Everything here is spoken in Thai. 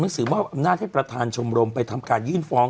หนึ่งเรื่องที่คุณแม่เนี่ยทำนักธิประทานชมรมไปทำการยื่นฟ้อง